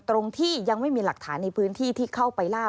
ตรงที่ยังไม่มีหลักฐานในพื้นที่ที่เข้าไปล่า